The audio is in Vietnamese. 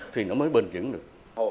thì nó mới bình chứng được